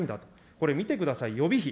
これ、見てください、予備費。